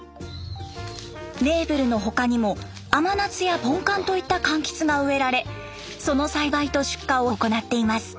ネーブルの他にも甘夏やポンカンといった柑橘が植えられその栽培と出荷を行っています。